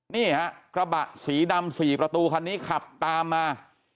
นี่ฮะกระบะสีดำ๔ประตูคันนี้ขับตามมา